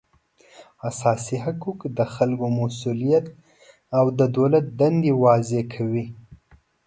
اساسي حقوق د خلکو مسولیت او د دولت دندې واضح کوي